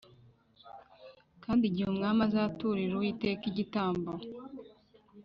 Kandi igihe umwami azaturira uwiteka igitambo